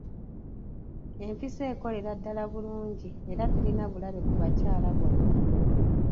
Empiso ekolera ddala bulungi era terina bulabe ku bakyala bonna.